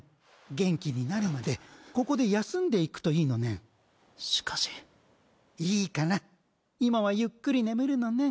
元気になるまでここで休んでいくといいのしかしいいから今はゆっくり眠るのね